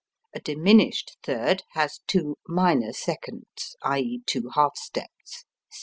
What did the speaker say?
A diminished third has two minor seconds (i.e., two half steps).